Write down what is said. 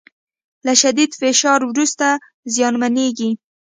له شدید فشار وروسته زیانمنېږي